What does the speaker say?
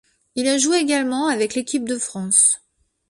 Il a joué également avec l'équipe de France.